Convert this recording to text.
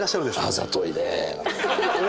あざとい。